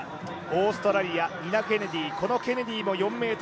オーストラリアニナ・ケネディこのケネディも４ｍ４５。